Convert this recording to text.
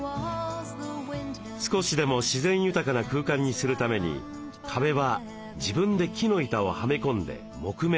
少しでも自然豊かな空間にするために壁は自分で木の板をはめ込んで木目調に。